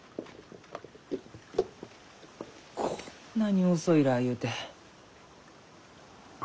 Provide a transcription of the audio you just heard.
こんなに遅いらあゆうて。